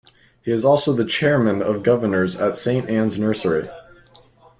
He is also the chairman of governors at Saint Anne's Nursery.